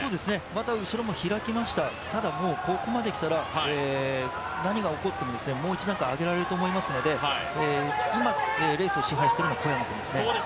後ろも開きました、ただ、ここまできたら何が起きてももう一段階上げられると思いますので、今レースを支配しているのは小山君ですね。